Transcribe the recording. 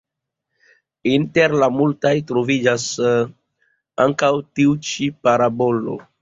Inter la multaj troviĝas ankaŭ tiu ĉi parabolo.